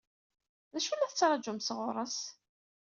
D acu i la tettṛaǧum sɣur-s?